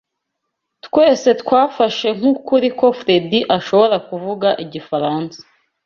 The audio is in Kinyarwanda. Twese twafashe nk'ukuri ko Fredy ashobora kuvuga igifaransa